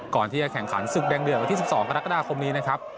ก่อนที่จะแข่งขันศึกแดงเดือวันที่๑๒กรกฎาคมนี้นะครับ